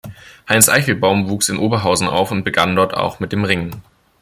Heinz Eichelbaum wuchs in Oberhausen auf und begann dort auch mit dem Ringen.